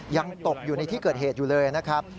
ยังตกอยู่ในที่เกิดเหตุอยู่เลยนะครับ